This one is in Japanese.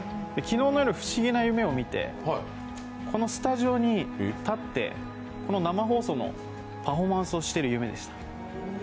昨日の夜、不思議な夢を見て、このスタジオに立ってこの生放送のパフォーマンスをしている夢でした。